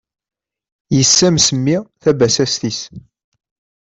Yessames mmi tabasast-is.